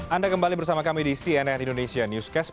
anda kembali bersama kami di cnn indonesia newscast